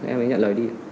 em ấy nhận lời đi